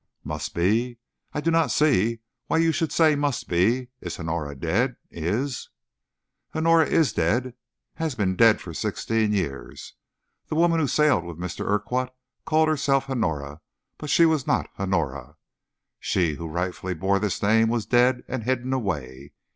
"Must be? I do not see why you should say must be! Is Honora dead? Is " "Honora is dead has been dead for sixteen years. The woman who sailed with Mr. Urquhart called herself Honora, but she was not Honora. She who rightfully bore this name was dead and hidden away.